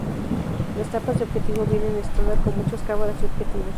Las tapas de objetivo vienen estándar con muchas cámaras y objetivos.